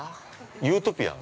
◆ユートピアね。